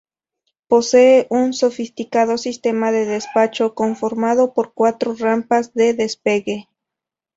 Posee un sofisticado sistema de despacho conformado por cuatro rampas de despegue.